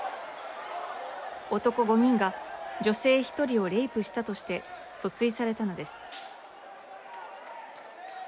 男５人が女性１人をレイプしたとして訴追されたのです。